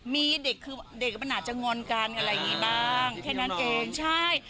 มีเด็กคือเด็กมันอาจจะงอนกันอะไรอย่างนี้บ้างแค่นั้นเองใช่